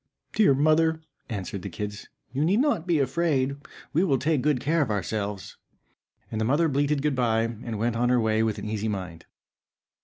"Dear mother," answered the kids, "you need not be afraid, we will take good care of ourselves." And the mother bleated good bye, and went on her way with an easy mind.